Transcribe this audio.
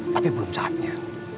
tapi belum saatnya